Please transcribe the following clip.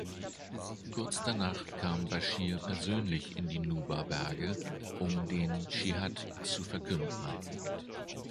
Kurz danach kam Baschir persönlich in die Nuba-Berge, um den Dschihad zu verkünden.